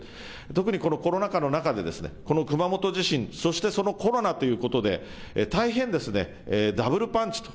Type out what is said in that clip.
特にこのコロナ禍の中でこの熊本地震そして、そのコロナということで大変ですね、ダブルパンチと。